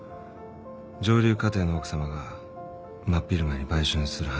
上流家庭の奥さまが真っ昼間に売春する話でしょ？